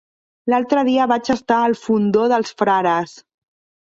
L'altre dia vaig estar al Fondó dels Frares.